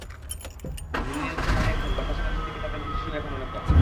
যিনি নির্বাচনে হেরে গেছেন, বানভাসি মানুষের দিকে তাঁদের দৃষ্টিও এখন অনেক কম।